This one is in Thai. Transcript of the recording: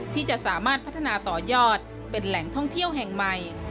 ที่จะสามารถพัฒนาต่อยอดเป็นแหล่งท่องเที่ยวแห่งใหม่